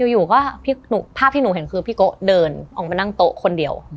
อยู่ก็ภาพที่หนูเห็นคือพี่โกะเดินออกมานั่งโต๊ะคนเดียว